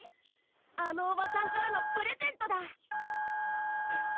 あのおばさんからのプレゼントだ！